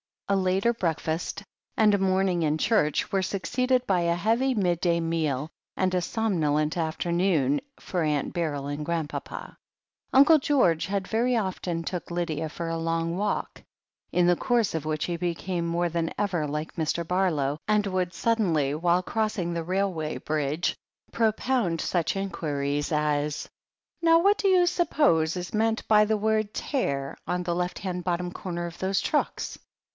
A later breakfast and a morning in church were succeeded by a heavy midday meal and a somnolent afternoon for Aunt Beryl and Grandpapa. Uncle George very often took Lydia for a long walk, in the course of which he became more than ever like Mr. Barlow, and would suddenly, while crossing the railway bridge, propound such inquiries as : "Now, what do you suppose is meant by the word Tare, on the left hand bottom comer of those trucks?"